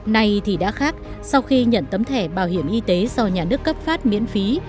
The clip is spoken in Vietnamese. nay thì đã khác sau khi nhận tấm thẻ bảo hiểm y tế do nhà nước cấp phát miễn phí